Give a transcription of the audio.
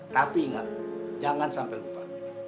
tapi ingat jangan sampai lupa